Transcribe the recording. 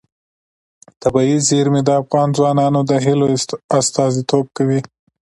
طبیعي زیرمې د افغان ځوانانو د هیلو استازیتوب کوي.